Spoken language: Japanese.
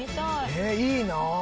えっいいな。